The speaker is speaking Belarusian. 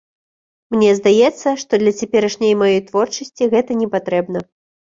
Мне здаецца, што для цяперашняй маёй творчасці гэта не патрэбна.